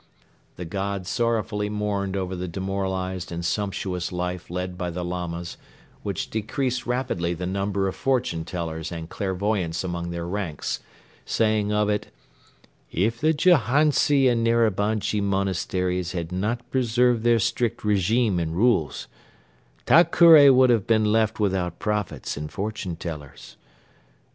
"The God" sorrowfully mourned over the demoralized and sumptuous life led by the Lamas which decreased rapidly the number of fortune tellers and clairvoyants among their ranks, saying of it: "If the Jahantsi and Narabanchi monasteries had not preserved their strict regime and rules, Ta Kure would have been left without prophets and fortune tellers.